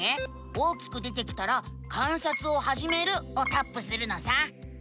大きく出てきたら「観察をはじめる」をタップするのさ！